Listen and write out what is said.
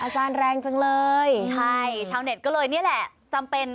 อาจารย์แรงจังเลยใช่ชาวเน็ตก็เลยนี่แหละจำเป็น